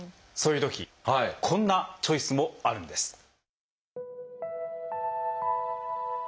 そういうときこんなチョイスもあるんです。